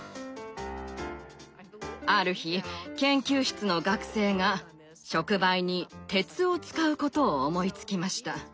ある日研究室の学生が触媒に鉄を使うことを思いつきました。